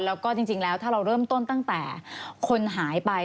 แล้วก็จริงแล้วถ้าเราเริ่มต้นตั้งแต่คนหายไป